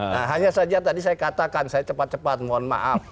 nah hanya saja tadi saya katakan saya cepat cepat mohon maaf